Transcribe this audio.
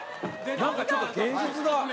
なんかちょっと芸術だ。